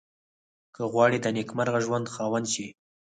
که غواړئ د نېکمرغه ژوند خاوند شئ.